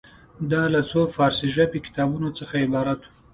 دا له څو فارسي ژبې کتابونو څخه عبارت وه.